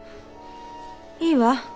いいわ。